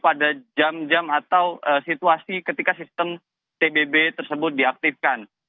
pada jam jam atau situasi ketika sistem tbb tersebut diaktifkan